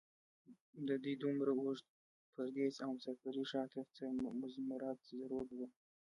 د دوي دومره اوږد پرديس او مسافرۍ شا ته څۀ مضمرات ضرور وو